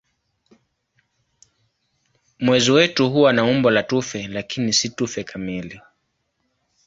Mwezi wetu huwa na umbo la tufe lakini si tufe kamili.